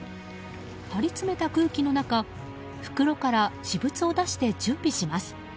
張りつめた空気の中袋から私物を出して準備します。